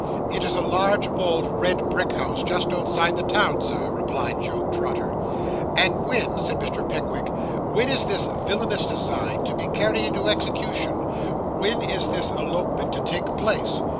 'It is a large, old, red brick house, just outside the town, Sir,' replied Job Trotter. 'And when,' said Mr. Pickwick 'when is this villainous design to be carried into execution when is this elopement to take place?